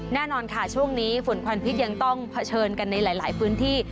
แน่นอนค่ะช่วงนี้ฝุ่นควันพิษยังต้องเผชิญกันในหลายพื้นที่